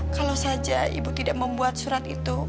kalau saja ibu tidak membuat surat itu